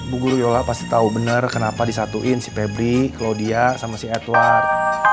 bu guruyola pasti tahu benar kenapa disatuin si pebri klo dia sama si edward